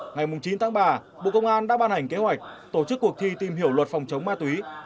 ngày chín tháng ba bộ công an đã ban hành kế hoạch tổ chức cuộc thi tìm hiểu luật phòng chống ma túy